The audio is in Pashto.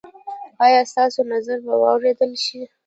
ایا ستاسو نظر به واوریدل شي؟